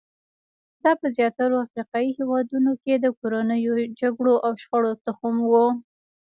دا په زیاترو افریقایي هېوادونو کې د کورنیو جګړو او شخړو تخم وو.